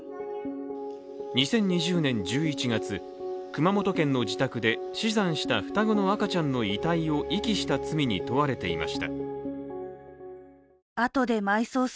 ２０２０年１１月、熊本県の自宅で死産した双子の赤ちゃんの遺体を遺棄した罪に問われていました。